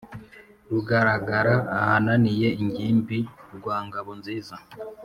Rugaragara ahananiye ingimbi rwa Ngabo nziza,